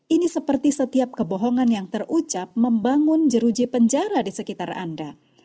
ini seperti setiap kebohongan yang terucap membangun jeruji penjara di sekitar anda